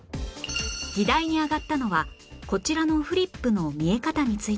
議題に挙がったのはこちらのフリップの見え方について